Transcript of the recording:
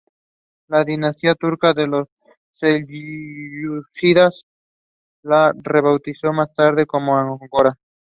She was the younger sister of singer Darlene Love.